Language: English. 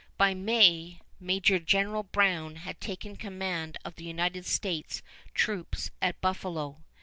By May, Major General Brown had taken command of the United States troops at Buffalo.